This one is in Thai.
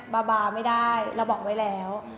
บาบาไม่ได้เราบอกไว้แล้ว